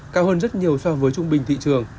cao hơn rất nhiều so với trung bình thị trường